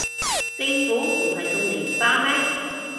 政府唔係送連花咩